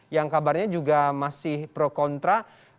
yang kabarnya juga masih pro kontra